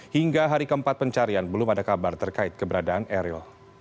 hingga hari keempat pencarian belum ada kabar terkait keberadaan eril